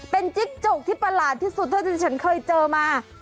เป็นจิ๊กจกที่ประหลาดที่สุดเท่าที่ฉันเคยเจอมา